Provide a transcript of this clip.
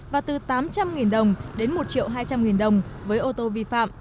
và từ tám trăm linh đồng đến một hai trăm linh đồng với ô tô vi phạm